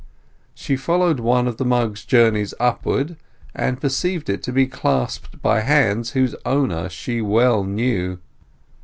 She followed one of the mug's journeys upward, and perceived it to be clasped by hands whose owner she well knew.